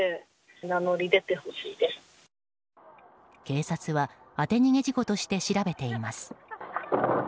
警察は、当て逃げ事故として調べています。